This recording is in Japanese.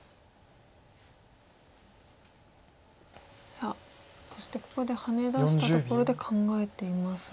さあそしてここでハネ出したところで考えていますが。